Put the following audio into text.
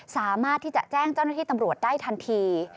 สามารถที่จะแจ้งเจ้าหน้าที่ตำรวจได้ทันที